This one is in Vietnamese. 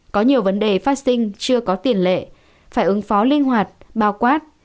có nhiều vấn đề phát sinh chưa có tiền lệ phải ứng phó linh hoạt bao quát